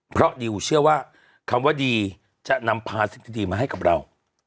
เพราะดิวเชื่อว่าคำว่าดีจะนำพาสิ่งดีมาให้กับเรา